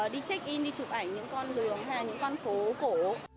đi check in đi chụp ảnh những con đường hay là những con phố cổ